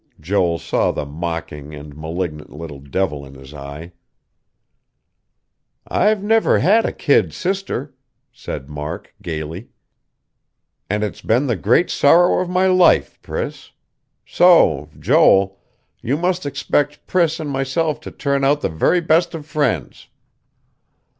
Joel saw the mocking and malignant little devil in his eye. "I've never had a kid sister," said Mark gayly. "And it's been the great sorrow of my life, Priss. So, Joel, you must expect Priss and myself to turn out the very best of friends."